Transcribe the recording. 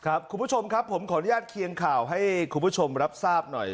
คุณผู้ชมครับผมขออนุญาตเคียงข่าวให้คุณผู้ชมรับทราบหน่อย